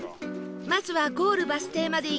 まずはゴールバス停まで行き